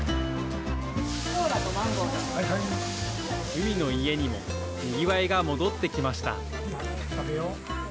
海の家にもにぎわいが戻ってきました。